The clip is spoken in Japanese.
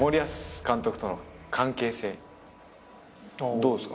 どうですか？